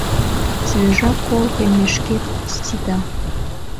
Свежа кол теммешкет сита.